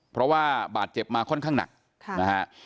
เพราะว่าบาดเจ็บมาค่อนข้างหนักนะฮะ